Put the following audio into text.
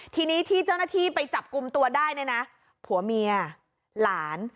ทีนี้ที่เจ้าหน้าที่ไปจับกลุ่มตัวได้เนี่ยนะผัวเมียหลาน